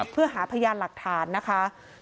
เพื่อหาพยันฐานหลักฐาน